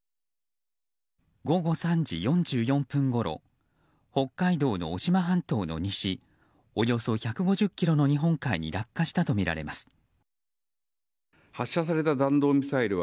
午後３時４４分ごろ北海道の渡島半島の西およそ１５０ｋｍの日本海に落下したとみられます。